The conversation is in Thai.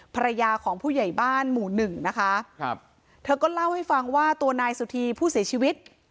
ภรรยาของผู้ใหญ่บ้านหมู่หนึ่งนะคะครับเธอก็เล่าให้ฟังว่าตัวนายสุธีผู้เสียชีวิต